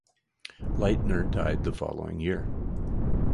Lightner died the following year.